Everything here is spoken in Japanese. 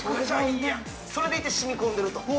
◆それでいてしみこんでいると。